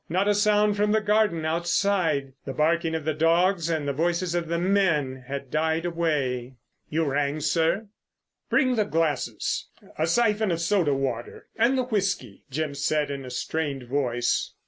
Not a sound from the garden outside. The barking of the dogs and the voices of the men had died away. "You rang, sir?" "Bring the glasses, a syphon of soda water, and the whisky," Jim said in a strained voice.